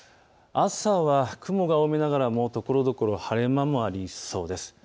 朝は雲が多めながらもところどころで晴れ間もありそうです。